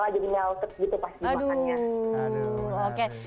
mozarella jadi nyautet gitu pasti makannya